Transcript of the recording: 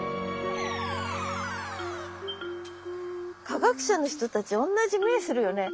科学者の人たちおんなじ目するよね。